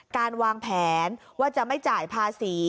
การวางแผนว่าจะไม่จ่ายภาษี